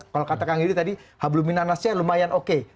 kalau kata kang yudi tadi hablumina nasya lumayan oke